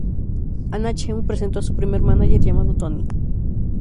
Anna Cheung presentó a su primer mánager llamado, Tony.